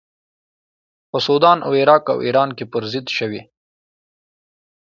په سودان او عراق او ایران کې پر ضد شوې.